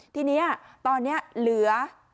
ทีนี้ตอนนี้เหลือ